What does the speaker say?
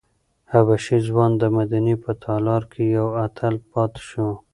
حبشي ځوان د مدینې په تاریخ کې یو اتل پاتې شو.